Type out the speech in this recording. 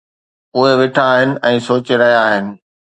اهي ويٺا آهن ۽ سوچي رهيا آهن